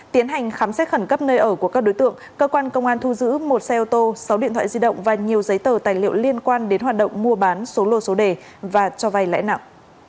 tiến hành khám xét khẩn cấp nơi ở của các đối tượng cơ quan công an thu giữ một xe ô tô sáu điện thoại di động và nhiều giấy tờ tài liệu liên quan đến hoạt động mua bán số lô số đề và cho vay lãi nặng